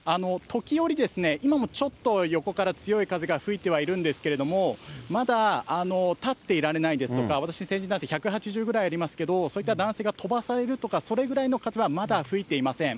時折、今もちょっと横から強い風が吹いてはいるんですけれども、まだ立っていられないですとか、私、成人男性１８０ぐらいありますけど、そういった男性が飛ばされるとか、それぐらいの風はまだ吹いていません。